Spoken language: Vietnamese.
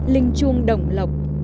linh chuông đồng lộc